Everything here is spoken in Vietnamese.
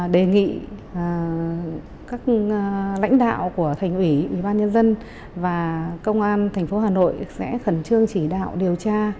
đề nghị các lãnh đạo của thành ủy ủy ban nhân dân và công an tp hà nội sẽ khẩn trương chỉ đạo điều tra